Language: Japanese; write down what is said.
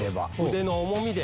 腕の重みで。